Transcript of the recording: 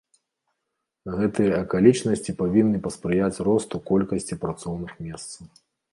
Гэтыя акалічнасці павінны паспрыяць росту колькасці працоўных месцаў.